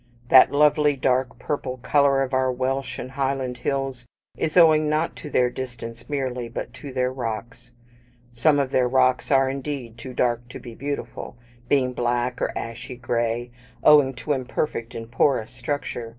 That lovely dark purple colour of our Welsh and Highland hills is owing, not to their distance merely, but to their rocks. Some of their rocks are, indeed, too dark to be beautiful, being black or ashy gray; owing to imperfect and porous structure.